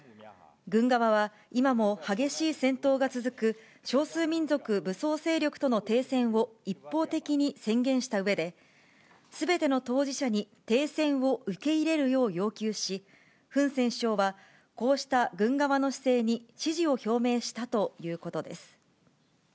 軍側は、今も激しい戦闘が続く少数民族武装勢力との停戦を一方的に宣言したうえで、すべての当事者に停戦を受け入れるよう要求し、フン・セン首相は、こうした軍側の姿勢に支持を表明したということです。